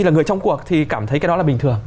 là người trong cuộc thì cảm thấy cái đó là bình thường